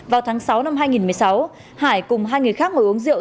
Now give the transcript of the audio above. vào tháng sáu năm hai nghìn một mươi sáu hải cùng hai người khác ngồi uống rượu